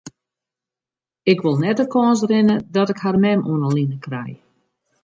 Ik wol net de kâns rinne dat ik har mem oan 'e line krij.